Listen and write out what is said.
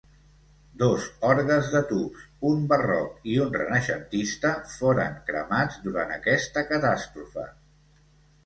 Dos orgues de tubs, un barroc i un renaixentista, foren cremats durant aquesta catàstrofe.